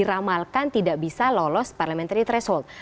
kemudian juga diramalkan tidak bisa lolos parliamentary threshold